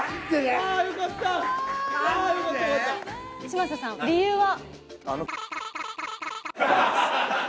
嶋佐さん理由は？